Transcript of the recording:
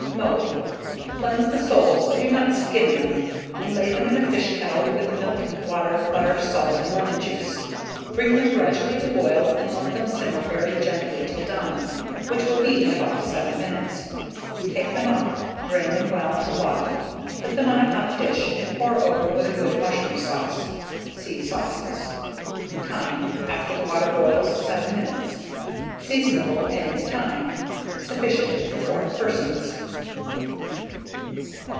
Mode. Cleanse the soles, but do not skin them, and lay them in a fish kettle, with the milk, water, butter, salt, and lemon juice. Bring them gradually to boil, and let them simmer very gently till done, which will be in about 7 minutes. Take them up, drain them well on a cloth, put them on a hot dish, and pour over them a good mushroom sauce. (See Sauces.) Time. After the water boils, 7 minutes. Seasonable at any time. Sufficient for 4 persons.